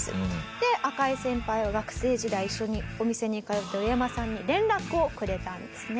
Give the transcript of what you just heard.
で赤井先輩は学生時代一緒にお店に通ったウエヤマさんに連絡をくれたんですね。